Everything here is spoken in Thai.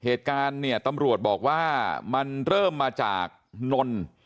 เหตุการณ์เนี่ยตำรวจบอกว่ามันเริ่มมาจากนน